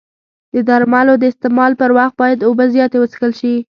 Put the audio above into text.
د درملو د استعمال پر وخت باید اوبه زیاتې وڅښل شي.